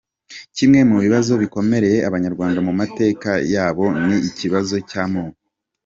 Kimwe mu bibazo bikomereye Abanyarwanda mu mateka ya bo ni ikibazo cy’amoko.